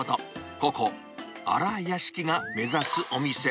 ここ、新屋敷が目指すお店。